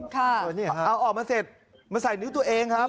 เอาออกมาเสร็จมาใส่นิ้วตัวเองครับ